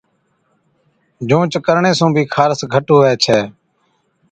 جھُونچ ڪرڻي سُون بِي خارس گھٽ هُوَي ڇَي۔